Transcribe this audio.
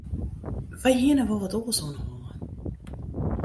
Wy hiene wol wat oars oan 'e holle.